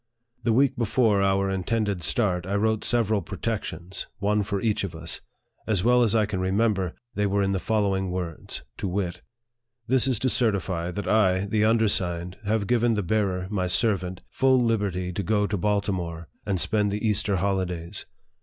The week before our intended start, I wrote sev eral protections, one for each of us. As well as I can remember, they were in the following words, to wit :" THIS is to certify that I, the undersigned, have given the bearer, my servant, full liberty to go to Baltimore, LIFE OF FREDERICK DOUGLASS. 87 and spend the Easter holidays.